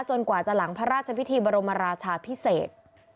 กว่าจะหลังพระราชพิธีบรมราชาพิเศษ